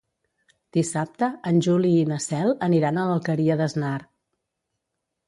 Dissabte en Juli i na Cel aniran a l'Alqueria d'Asnar.